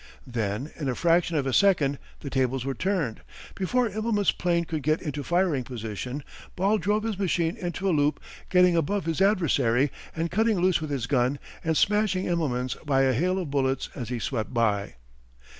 Then in a fraction of a second the tables were turned. Before Immelman's plane could get into firing position, Ball drove his machine into a loop, getting above his adversary and cutting loose with his gun and smashing Immelman by a hail of bullets as he swept by.